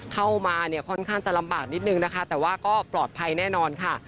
เข้ามาเนี่ยค่อนข้างจะลำบากนิดนึงนะคะแต่ว่าก็ปลอดภัยแน่นอนค่ะ